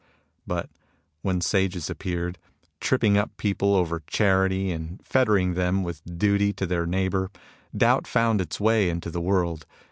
But when Sages appeared, tripping up people over charity and fettering them with duty to their neighbour, doubt found its way into the world.